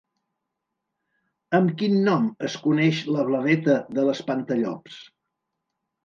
Amb quin nom es coneix la blaveta de l'espantallops?